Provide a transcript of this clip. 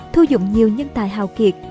thu dụng nhiều nhân tài hào kiệt